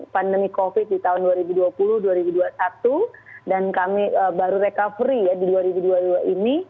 pandemi covid di tahun dua ribu dua puluh dua ribu dua puluh satu dan kami baru recovery ya di dua ribu dua puluh dua ini